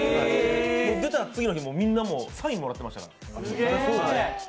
僕、出た次の日、みんながサインもらってましたから。